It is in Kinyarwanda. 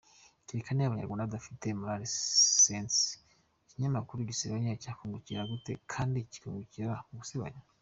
Kereka niba abanyarwanda badafite moral sense, ikinyamakuru gisebanya cyakunguka gute kandi kikungukira mugusebanya?